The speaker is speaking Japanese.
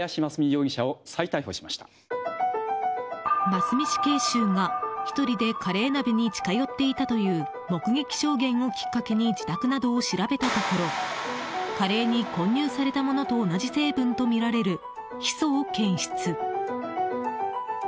真須美死刑囚が１人でカレー鍋に近寄っていたという目撃証言をきっかけに自宅などを調べたところカレーに混入されたものと同じ成分とみられるヒ素を検出。